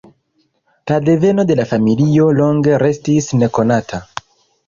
La deveno de la familio longe restis nekonata.